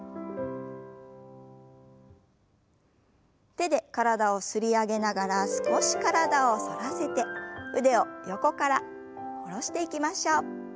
手で体を擦り上げながら少し体を反らせて腕を横から下ろしていきましょう。